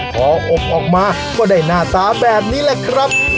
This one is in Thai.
พออบออกมาก็ได้หน้าตาแบบนี้แหละครับ